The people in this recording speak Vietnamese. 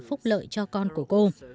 phúc lợi cho con của cô